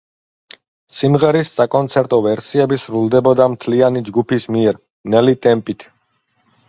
სიმღერის საკონცერტო ვერსიები სრულდებოდა მთლიანი ჯგუფის მიერ, ნელი ტემპით.